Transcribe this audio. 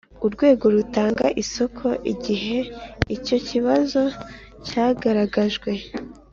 Urwego rutanga isoko igihe icyo kibazo cyagaragajwe